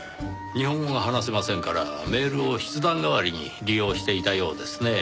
日本語が話せませんからメールを筆談代わりに利用していたようですねぇ。